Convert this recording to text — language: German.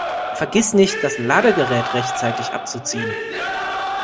Vergiss nicht, das Ladegerät rechtzeitig abzuziehen!